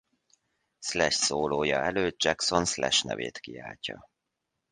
Slash szólója előtt Jackson Slash nevét kiáltja.